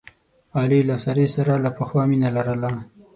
علي له سارې سره له پخوا مینه لرله.